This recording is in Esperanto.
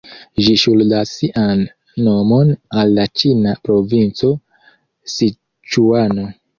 Ĝi ŝuldas sian nomon al la ĉina provinco Siĉuano.